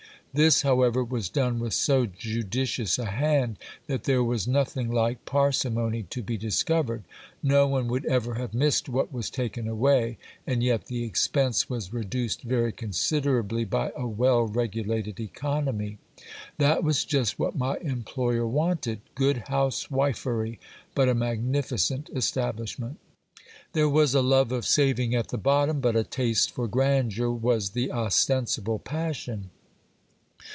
This, however, was done with so judicious a hand, that there was no thing like parsimony to be discovered. No one would ever have missed what was taken away ; and yet the expense was reduced very considerably by a well regulated economy. That was just what my employer wanted ; good house wifery, but a magnificent establishment. There was a love of saving at the bottom ; but a taste for grandeur was the ostensible passion.